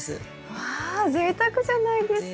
わぜいたくじゃないですか。